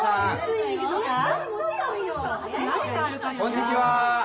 こんにちは！